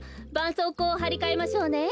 そうこうをはりかえましょうね。